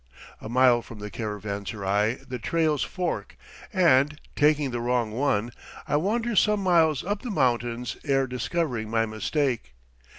A mile from the caravanserai the trails fork, and, taking the wrong one, I wander some miles up the mountains ere discovering my mistake.